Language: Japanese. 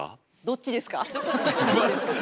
「どっちですか」？